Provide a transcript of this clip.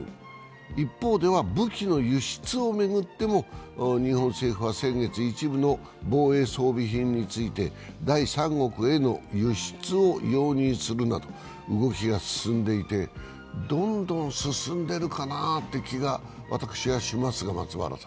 一方では武器の輸出を巡っても日本政府は先月、一部の防衛装備品について第三国への輸出を容認するなど、動きが進んでいて、どんどん進んでいるかなという気は私はしますが。